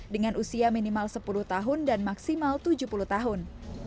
dengan usia minimal sepuluh tahun dan maksimal tujuh puluh tahun